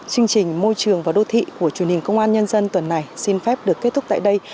chương trình môi trường và đô thị của truyền hình công an nhân dân tuần này xin phép được kết thúc tại đây